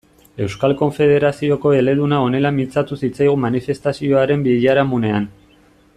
Euskal Konfederazioko eleduna honela mintzatu zitzaigun manifestazioaren biharamunean.